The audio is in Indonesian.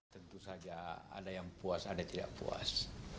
tentu saja ada yang puas ada yang tidak puas